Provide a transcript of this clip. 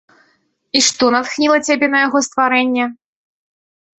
І што натхніла цябе на яго стварэнне?